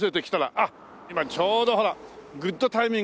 あっ今ちょうどほらグッドタイミングで。